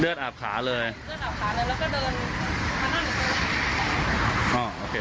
เลือดอาบขาเลยแล้วก็เดินข้างหน้าหนู